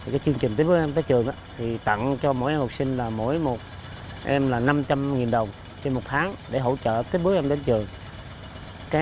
chương trình tiếp bước em tới trường tặng cho mỗi em học sinh là mỗi một em là năm trăm linh đồng trên một tháng để hỗ trợ tiếp bước em tới trường